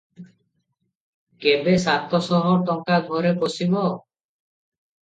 କେବେ ସାତ ଶହ ଟଙ୍କା ଘରେ ପଶିବ ।